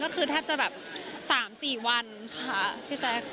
ก็คือแทบจะแบบ๓๔วันค่ะพี่แจ๊ค